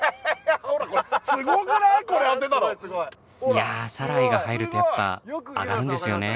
いやあ『サライ』が入るとやっぱ上がるんですよね。